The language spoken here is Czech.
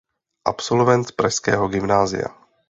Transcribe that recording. Absolvent pražského gymnázia.